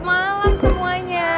selamat malam semuanya